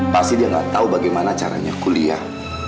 pasti dia nggak tahu bagaimana caranya kuliah